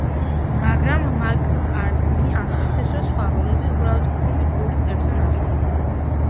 მაგრამ მაკ-კარტნი ამტკიცებს, რომ სხვა როლები უბრალოდ კომიკური პერსონაჟებია.